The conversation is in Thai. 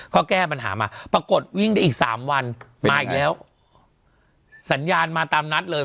ก็แก้ปัญหามาปรากฏวิ่งได้อีกสามวันมาอีกแล้วสัญญาณมาตามนัดเลย